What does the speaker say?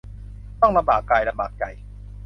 ต้องลำบากกายลำบากใจ